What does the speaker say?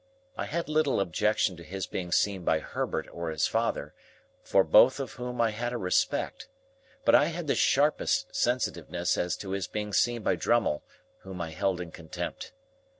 I had little objection to his being seen by Herbert or his father, for both of whom I had a respect; but I had the sharpest sensitiveness as to his being seen by Drummle, whom I held in contempt.